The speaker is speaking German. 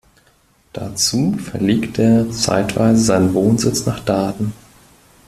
Dazu verlegte er zeitweise seinen Wohnsitz nach Daaden.